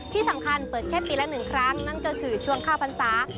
ที่สำคัญเปิดแค่ปีละ๑ครั้งนั่นก็คือช่วงเข้าพรรษา